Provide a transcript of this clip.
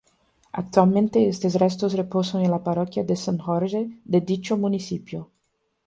Actualmente estos restos reposan en la Parroquia de San Jorge de dicho municipio.